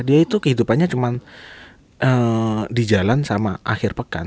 dia itu kehidupannya cuma di jalan sama akhir pekan